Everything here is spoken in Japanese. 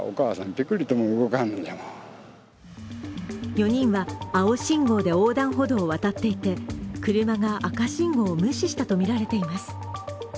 ４人は青信号で横断歩道を渡っていて、車が赤信号を無視したとみられています。